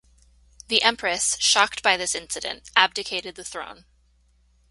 The Empress, shocked by this incident, abdicated the throne.